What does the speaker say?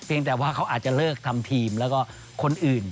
แต่ว่าเขาอาจจะเลิกทำทีมแล้วก็คนอื่น